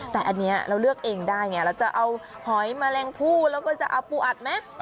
แต่อันนี้เราเลือกเองได้ไงเราจะเอาหอยแมลงผู้แล้วก็จะเอาปูอัดไหม